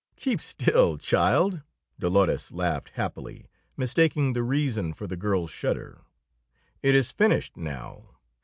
"Keep still, child," Dolores laughed happily, mistaking the reason for the girl's shudder. "It is finished now.